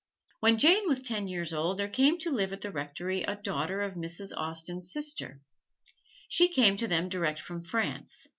When Jane was ten years old there came to live at the Rectory a daughter of Mrs. Austen's sister. She came to them direct from France.